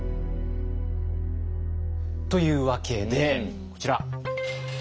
というわけでこちら。